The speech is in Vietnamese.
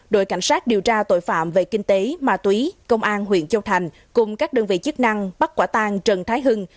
đội cảnh sát điều tra tội phạm về kinh tế ma túy công an huyện châu thành cùng các đơn vị chức năng bắt quả tang trần thái hưng